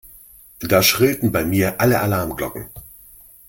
Da schrillten bei mir alle Alarmglocken.